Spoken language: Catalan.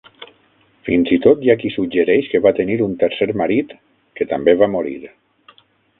Fins i tot hi ha qui suggereix que va tenir un tercer marit, que també va morir.